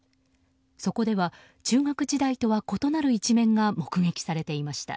そこでは中学時代とは異なる一面が目撃されていました。